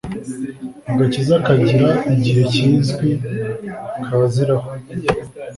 Agakiza kagira igihe kizwi kaziraho